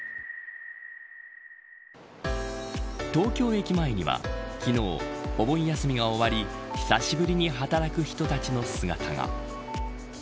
東京駅前には昨日、お盆休みが終わり久しぶりに働く人たちの姿が。